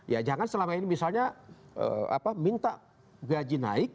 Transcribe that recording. ya jangan selama ini misalnya minta gaji naik